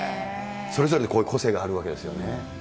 それぞれでそういう個性があるわけですよね。